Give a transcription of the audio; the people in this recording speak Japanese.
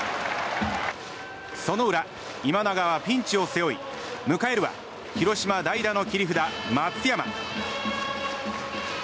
その裏、今永はピンチを背負い迎えるは、広島の代打の切り札、松山。